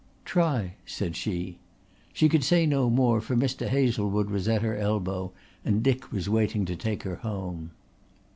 "Try," said she. She could say no more for Mr. Hazlewood was at her elbow and Dick was waiting to take her home.